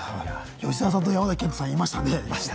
吉沢さんと山崎賢人さん、いましたね。